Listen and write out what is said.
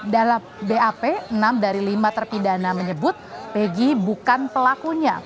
dalam bap enam dari lima terpidana menyebut peggy bukan pelakunya